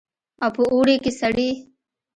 او په اوړي کښې سړې.